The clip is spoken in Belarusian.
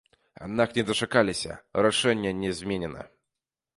Аднак не дачакаліся, рашэнне не зменена.